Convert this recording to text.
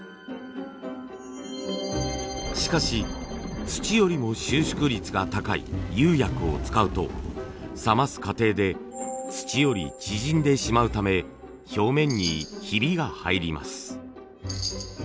しかし土よりも収縮率が高い釉薬を使うと冷ます過程で土より縮んでしまうため表面にヒビが入ります。